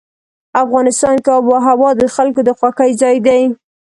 افغانستان کې آب وهوا د خلکو د خوښې ځای دی.